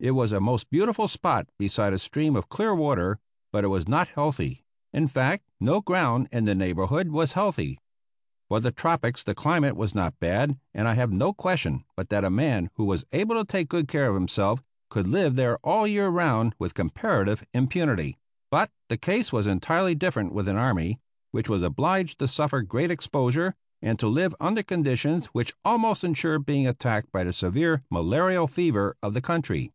It was a most beautiful spot beside a stream of clear water, but it was not healthy. In fact no ground in the neighborhood was healthy. For the tropics the climate was not bad, and I have no question but that a man who was able to take good care of himself could live there all the year round with comparative impunity; but the case was entirely different with an army which was obliged to suffer great exposure, and to live under conditions which almost insured being attacked by the severe malarial fever of the country.